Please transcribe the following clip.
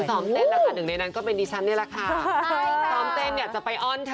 ซ้อมเต้นแล้วค่ะหนึ่งในนั้นก็เป็นดิฉันนี่แหละค่ะซ้อมเต้นเนี่ยจะไปอ้อนค่ะ